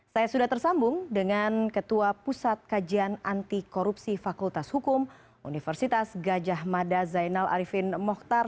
saya sudah tersambung dengan ketua pusat kajian anti korupsi fakultas hukum universitas gajah mada zainal arifin mohtar